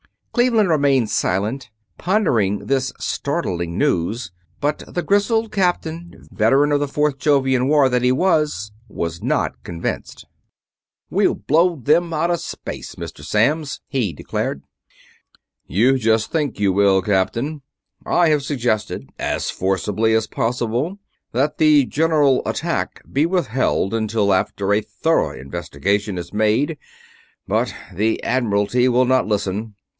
Cleveland remained silent, pondering this startling news, but the grizzled Captain, veteran of the Fourth Jovian War that he was, was not convinced. "We'll blow them out of space, Mr. Samms!" he declared. "You just think you will, Captain. I have suggested, as forcibly as possible, that the general attack be withheld until after a thorough investigation is made, but the Admiralty will not listen.